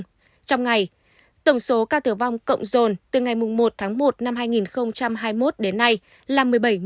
trong ngày tổng số ca tử vong cộng rồn từ ngày mùng một một hai nghìn hai mươi một đến nay là